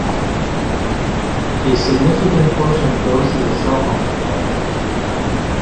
A significant portion goes to the cell phone provider.